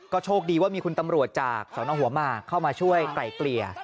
โชคดีว่ามีคุณตำรวจจากสนหัวหมากเข้ามาช่วยไกล่เกลี่ย